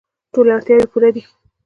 ټولې اړتیاوې یې پوره دي.